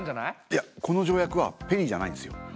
いやこの条約はペリーじゃないんですよ。